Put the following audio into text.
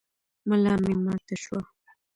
ملا مي ماته شوه .